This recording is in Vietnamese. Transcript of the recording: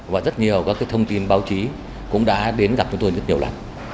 và rất nhiều các thông tin báo chí cũng đã đến gặp chúng tôi rất nhiều lần